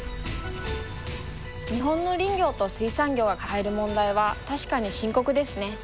日本の林業と水産業が抱える問題は確かに深刻ですね。